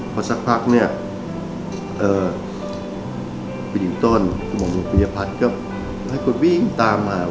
พอสักพักปีนิ้วต้นบ่งบุญพุยภัทธ์ก็ให้กดวิ่งตามมา